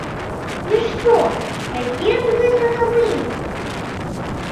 І што, якія з гэтага вынікі?